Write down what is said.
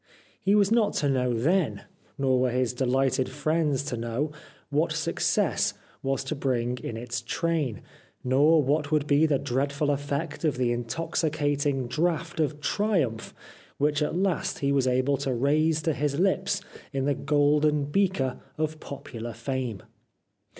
He was not to know then, nor were his dehghted friends to know what success was to bring in its train, nor what would be the dreadful effect of the intoxicating draught of triumph which at last he was able to raise to his hps in the golden beaker of popular fame.